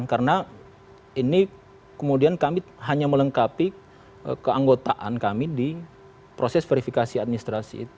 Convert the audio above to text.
karena ini kemudian kami hanya melengkapi keanggotaan kami di proses verifikasi administrasi itu